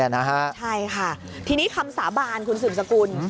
ใช่ค่ะทีนี้คำสาบานคุณสืบสกุล